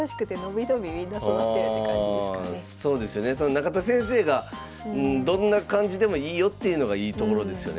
中田先生がどんな感じでもいいよっていうのがいいところですよね。